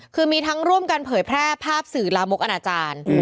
คือมีทั้งร่วมกันเผยแพร่ภาพสื่อลามกอนาจารย์